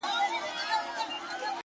ستا قدم زموږ یې لېمه خو غریبي ده،